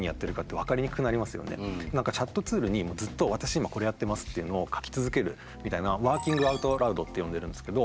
そうするとチャットツールにずっと「わたし今これやってます！」っていうのを書き続けるみたいなワーキング・アウト・ラウドって呼んでるんですけど